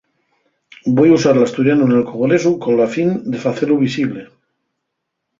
Voi usar l'asturianu nel Congresu col fin de facelu visible.